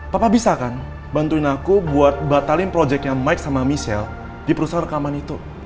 papa bisa kan bantuin aku buat batalin projectnya mike sama michelle di perusahaan rekaman itu